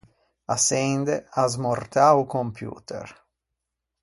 Açende, asmortâ o computer.